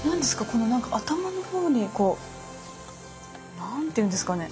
この頭の方にこう何て言うんですかね。